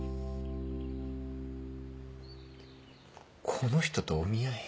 この人とお見合い？